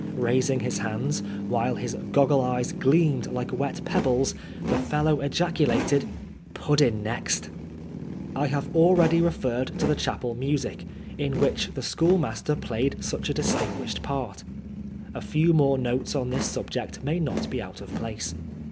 Raising his hands, while his goggle eyes gleamed like wet pebbles, the fellow ejaculated —" Pudden next." I have already referred to the chapel music, in which the schoolmaster played such a distinguished part. A few more notes on this subject may not be out of place.